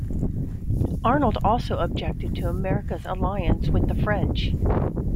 Arnold also objected to America's alliance with the French.